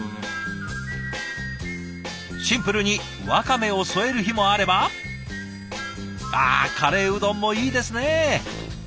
シンプルにわかめを添える日もあればあカレーうどんもいいですね。